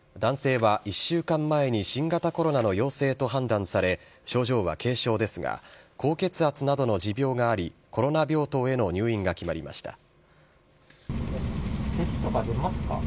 男性は１週間前に新型コロナの陽性と判断され、症状は軽症ですが、高血圧などの持病があり、コロナ病棟への入院が決まりました。